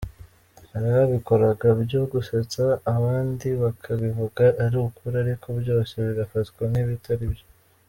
Hari ababikoraga byo gusetsa abandi bakabivuga ari ukuri ariko byose bigafatwa nk’ibitari byo.